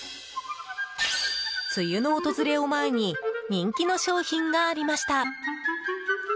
梅雨の訪れを前に人気の商品がありました。